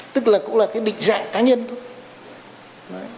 tức là cũng là cái định dạng cá nhân thôi